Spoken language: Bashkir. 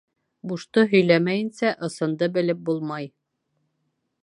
Бушты һөйләмәйенсә, ысынды белеп булмай.